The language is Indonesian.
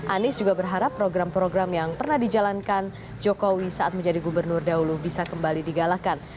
anies juga berharap program program yang pernah dijalankan jokowi saat menjadi gubernur dahulu bisa kembali digalakan